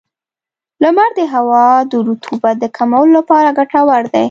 • لمر د هوا د رطوبت د کمولو لپاره ګټور دی.